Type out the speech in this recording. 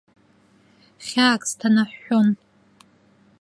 Хьаак сҭанаҳәҳәон.